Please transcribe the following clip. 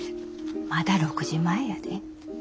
まだ６時前やで。